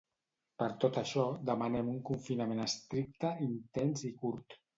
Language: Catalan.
Per tot això, demanem un confinament estricte, intens i curt.